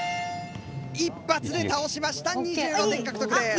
１発で倒しました２５点獲得です。